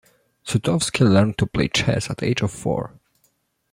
Sutovsky learned to play chess at the age of four.